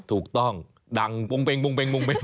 ถูกต้องดังบุงเบง